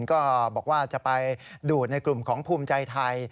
ก็บอกว่าจะไปดูดในกลุ่มของภูมิใจไทย